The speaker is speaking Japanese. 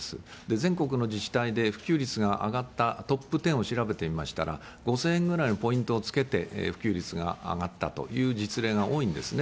全国の自治体で普及率が上がったトップ１０を調べてみましたら、５０００円ぐらいのポイントをつけて普及率が上がったという実例が多いんですね。